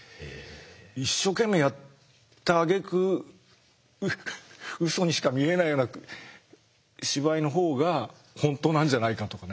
一生懸命やったあげくうそにしか見えないような芝居のほうが本当なんじゃないかとかね。